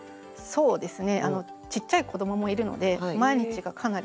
そうですね。